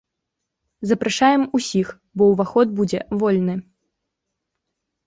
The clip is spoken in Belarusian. Запрашаем усіх, бо ўваход будзе вольны.